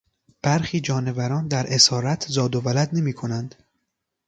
برخی جانوران در اسارت زاد و ولد نمیکنند.